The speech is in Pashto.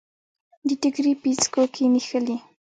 د ټیکري پیڅکو کې نښلي